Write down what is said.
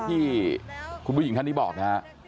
ที่คุณผู้หญิงท่านนี้บอกนะครับ